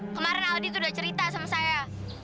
kemarin aldi tuh udah cerita sama saya